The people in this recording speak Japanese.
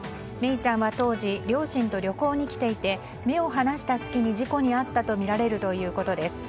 愛李ちゃんは当時両親と旅行に来ていて目を離した隙に事故に遭ったとみられるということです。